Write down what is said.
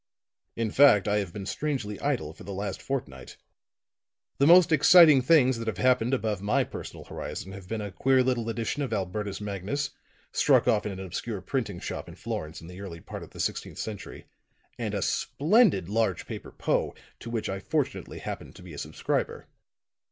"In fact, I have been strangely idle for the last fortnight. The most exciting things that have appeared above my personal horizon have been a queer little edition of Albertus Magnus, struck off in an obscure printing shop in Florence in the early part of the sixteenth century, and a splendid, large paper Poe, to which I fortunately happened to be a subscriber."